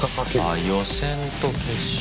あっ予選と決勝。